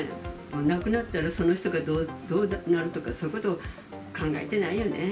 なくなったらその人がどうなるとか、そういうこと考えてないよね。